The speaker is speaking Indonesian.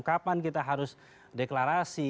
kapan kita harus deklarasi